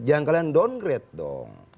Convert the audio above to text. jangan kalian downgrade dong